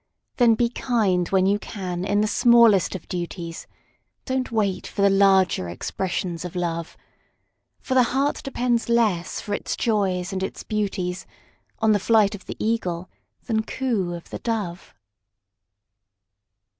Then be kind when you can in the smallest of duties, Don't wait for the larger expressions of Love; For the heart depends less for its joys and its beauties On the flight of the Eagle than coo of the Dove.